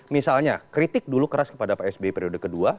misalnya kritik dulu keras kepada pak sby periode kedua